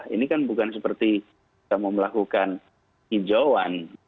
ini kan bukan seperti kita mau melakukan hijauan